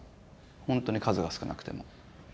ほんとに数が少なくても。